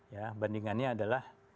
ya bandingannya adalah